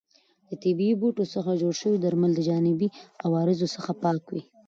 د طبیعي بوټو څخه جوړ شوي درمل د جانبي عوارضو څخه پاک وي.